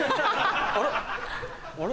あれ？